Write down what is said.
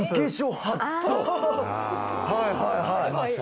はいはいはい。